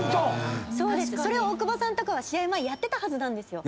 それを大久保さんとかは試合前やってたはずなんですよ。